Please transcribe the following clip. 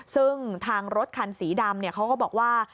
ซึ่งทางรถคันสีดำเขาก็บอกว่า